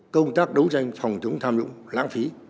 công tác đấu tranh phòng chống tham nhũng lãng phí